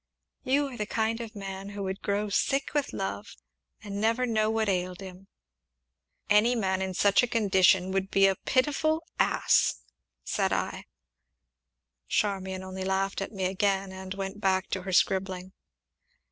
"You are the kind of man who would grow sick with love, and never know what ailed him." "Any man in such a condition would be a pitiful ass!" said I. Charmian only laughed at me again, and went back to her scribbling.